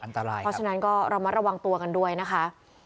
อันตรายครับเพราะฉะนั้นก็เรามาระวังตัวกันด้วยนะคะ